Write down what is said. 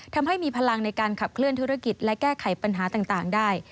ทำให้มีพลังในการขับเคลื่อนธุรกิจและแก้ไขปัญหาต่างได้